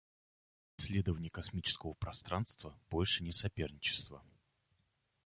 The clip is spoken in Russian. Исследование космического пространства — больше не соперничество.